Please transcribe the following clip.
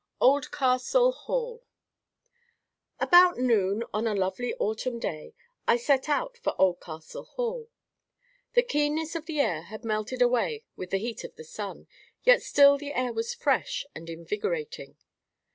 OLDCASTLE HALL. About noon, on a lovely autumn day, I set out for Oldcastle Hall. The keenness of the air had melted away with the heat of the sun, yet still the air was fresh and invigorating.